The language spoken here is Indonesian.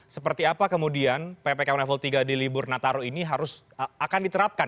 seperti apa kemudian ppkm level tiga di libur nataru ini harus akan diterapkan